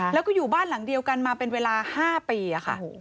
แล้วก็อยู่บ้านหลังเดียวกันมาเป็นเวลา๕ปีค่ะ